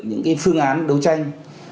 những phương án đấu tranh